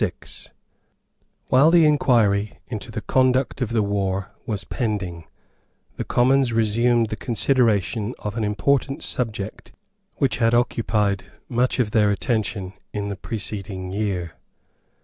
While the inquiry into the conduct of the war was pending, the Commons resumed the consideration of an important subject which had occupied much of their attention in the preceding year.